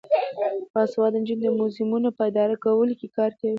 باسواده نجونې د موزیمونو په اداره کولو کې کار کوي.